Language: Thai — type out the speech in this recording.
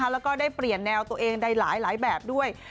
แล้วก็ได้เปลี่ยนแนวตัวเองในหลายแบบด้วย